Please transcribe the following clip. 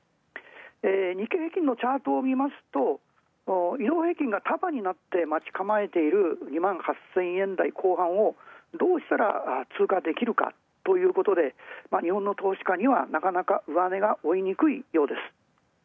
日経平均株価のチャートを見ますと、移動平均がたばになって待ち構えている２８０００円台後半をどうしたら通過できるかということで、日本の投資家にはなかなか上値が追いにくいようです。